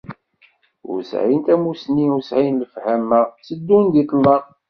Ur sɛin tamussni, ur sɛin lefhama, tteddun di ṭṭlam.